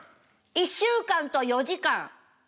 １週間と４時間。